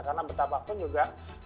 karena betapapun juga